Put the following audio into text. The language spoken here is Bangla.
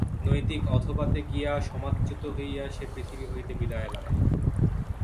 নৈতিক অধঃপাতে গিয়া, সমাজচ্যুত হইয়া সে পৃথিবী হইতে বিদায় লয়।